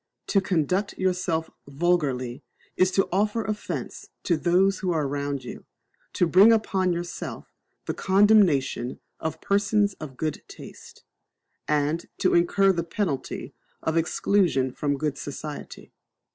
To conduct yourself vulgarly is to offer offence to those who are around you; to bring upon yourself the condemnation of persons of good taste; and to incur the penalty of exclusion from good society.